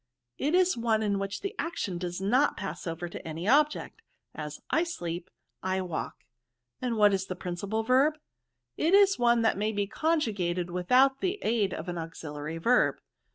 '* "It is one in which the action does not pass over to any object ; as, I sleep, I walk.'* ^" And what is a principal verb?" It is one that may be conjugated with out the aid of an auxiliary verb.'